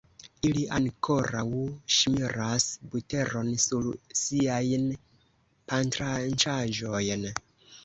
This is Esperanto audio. Ili ankoraŭ ŝmiras buteron sur siajn pantranĉaĵojn.